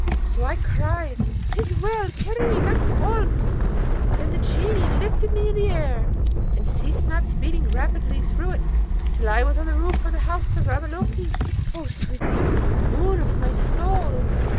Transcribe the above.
So I cried, ''Tis well! carry me back to Oolb.' Then the Genie lifted me into the air, and ceased not speeding rapidly through it, till I was on the roof of the house of Ravaloke. O sweet youth! moon of my soul!